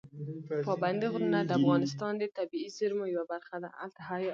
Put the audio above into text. پابندي غرونه د افغانستان د طبیعي زیرمو یوه برخه ده.